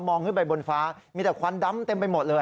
ขึ้นไปบนฟ้ามีแต่ควันดำเต็มไปหมดเลย